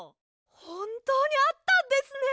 ほんとうにあったんですね！